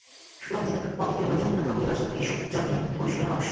সুতরাং নিজেদের অতীন্দ্রিয়-লোকে উন্নীত করিবার জন্য এইসব যমনিয়মাদির অনুশীলন অত্যাবশ্যক।